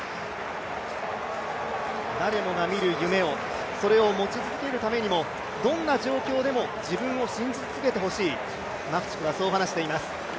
誰もが見る夢をそれを持ち続けるためにもどんな状況でも自分を信じ続けてほしいとマフチクはそう話しています。